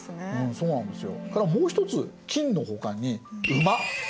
そうなんですよ。